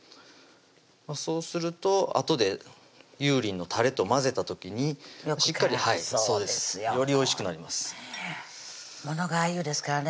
そうするとあとで油淋のたれと混ぜた時にしっかりよりおいしくなりますものがあゆですからね